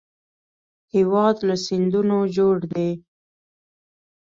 هېواد له سیندونو جوړ دی